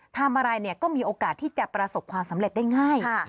ทำอะไรเนี่ยก็มีโอกาสที่จะประสบความสำเร็จได้ง่าย